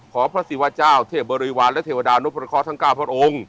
ขอพระศิวะเจ้าเทพบริวารและเทพวดาวนุปราคอร์ทั้ง๙พระองค์